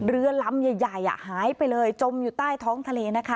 เรือลำใหญ่หายไปเลยจมอยู่ใต้ท้องทะเลนะคะ